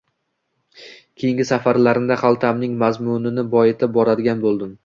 Keyingi safarlarimda haltamning “mazmuni” ni boyitib boradigan bo’ldim.